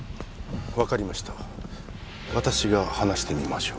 分かりました私が話してみましょう